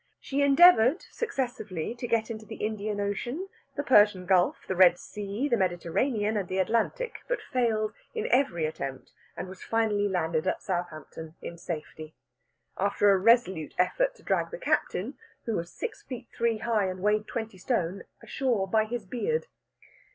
She endeavoured successively to get into the Indian Ocean, the Persian Gulf, the Red Sea, the Mediterranean, and the Atlantic, but failed in every attempt, and was finally landed at Southampton in safety, after a resolute effort to drag the captain, who was six feet three high and weighed twenty stone, ashore by his beard.